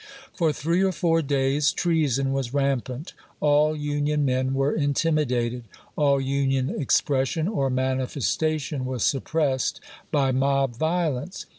For three or four days treason was rampant ; all Union men were intimidated ; all Union expression or manifestation was suppressed by mob violence.